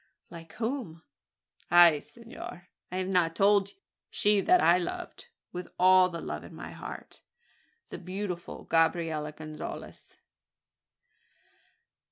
"Like whom?" "Ah! senor, I have not told you? She that I loved with all the love in my heart the beautiful Gabriella Gonzales."